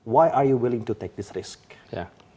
kenapa anda berani mengambil resiko ini